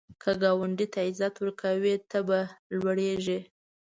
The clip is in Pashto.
که ګاونډي ته عزت ورکړې، ته به لوړیږې